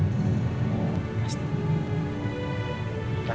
gak boleh ada sembunyiin apapun dari aku mulai sekarang